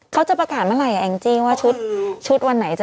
เขาจะประกาศเมื่อไหร่แองจี้ว่าชุดวันไหนจะ